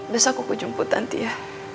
besok aku jemput tanti ya